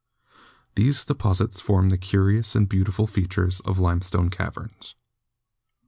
These de posits form the curious and beautiful features of lime stone caverns.